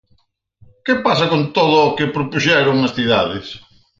¿Que pasa con todo o que propuxeron nas cidades?